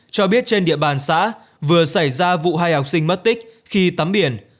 cho biết trên địa bàn xã vừa xảy ra vụ hai học sinh mất tích khi tắm biển